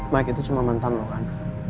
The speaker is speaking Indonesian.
mike itu cuma mantan lu kan